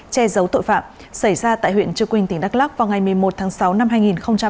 che giấu tội phạm xảy ra tại huyện trư quynh tỉnh đắk lắc vào ngày một mươi một tháng sáu năm hai nghìn hai mươi ba